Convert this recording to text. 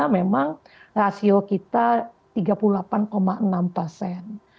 memang rasio kita tiga puluh delapan enam persen